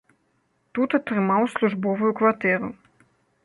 Тут атрымаў службовую кватэру.